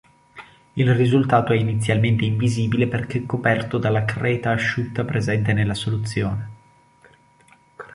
Il risultato è inizialmente invisibile perché coperto dalla creta asciutta presente nella soluzione.